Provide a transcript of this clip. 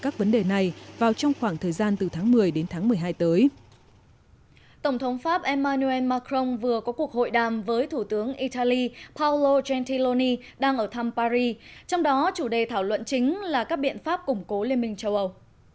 tổng thống pháp emmanuel macron vừa có cuộc hội đàm với thủ tướng italy paolo gentiloni đang ở thăm paris trong đó chủ đề thảo luận chính là các biện pháp củng cố liên minh châu âu